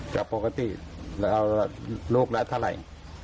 จากปกติแล้วลูกละเท่าไหร่